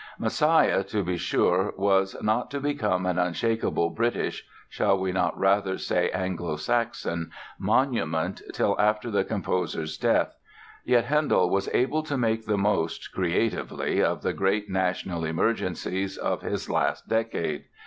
"Messiah", to be sure, was not to become an unshakable British (shall we not rather say Anglo Saxon) monument till after the composer's death; yet Handel was able to make the most, creatively, of the great national emergencies of his last decade.